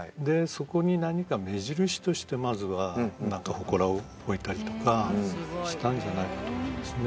そこに何か目印としてまずは何かほこらを置いたりとかしたんじゃないかと思うんですね